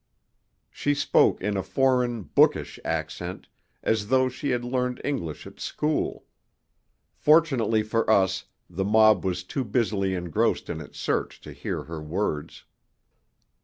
She spoke in a foreign, bookish accent, as though she had learned English at school. Fortunately for us the mob was too busily engrossed in its search to hear her words.